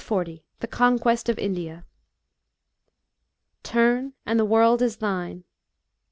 143 40. THE CONQUEST OF INDIA. " Turn, and the world is thine."